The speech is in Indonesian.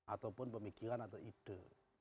ataupun pemikiran atau ide